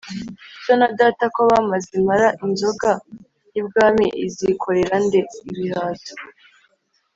So na data ko bameze impara inzoga y'ibwami izikorera nde ?-Ibihaza.